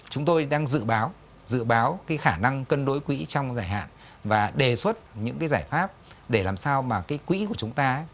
chúng tôi đang dự báo dự báo cái khả năng cân đối quỹ trong giải hạn và đề xuất những cái giải pháp để làm sao mà cái quỹ của chúng ta